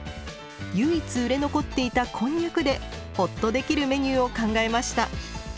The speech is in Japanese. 唯一売れ残っていたこんにゃくでほっとできるメニューを考えました。